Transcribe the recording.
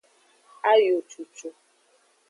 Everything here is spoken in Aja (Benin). Ayo cucu.